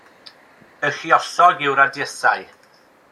Y lluosog yw radiysau.